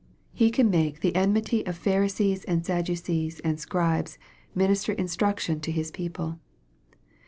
He can make .the enmity of Pharisees and Sadducees and Scribes minister instruction to His people.